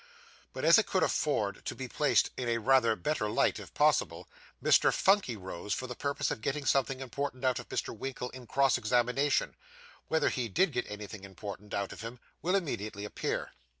But as it could afford to be placed in a rather better light, if possible, Mr. Phunky rose for the purpose of getting something important out of Mr. Winkle in cross examination. Whether he did get anything important out of him, will immediately appear.